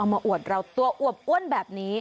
มาอวดเราตัวอวบอ้วนแบบนี้